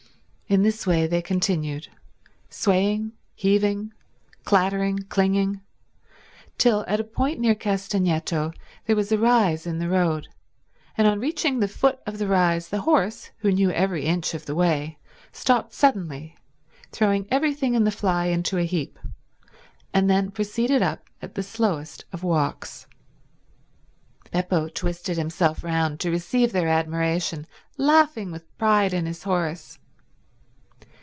In this way they continued, swaying, heaving, clattering, clinging, till at a point near Castagneto there was a rise in the road, and on reaching the foot of the rise the horse, who knew every inch of the way, stopped suddenly, throwing everything in the fly into a heap, and then proceeded up at the slowest of walks. Beppo twisted himself round to receive their admiration, laughing with pride in his horse.